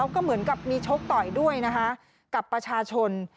ก็เหมือนกับมีชกต่อยด้วยนะคะกับประชาชน